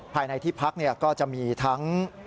ภายในที่พักก็จะมีทั้ง